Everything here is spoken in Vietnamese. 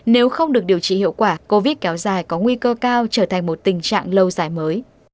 nếu không được điều trị hiệu quả covid kéo dài có nguy cơ cao trở thành một tình trạng lâu dài mới